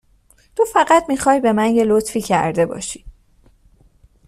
تو فقط می خوای به من یه لطفی کرده باشی